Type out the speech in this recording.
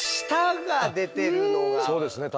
そうですね